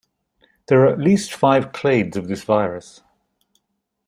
There are at least five clades of this virus.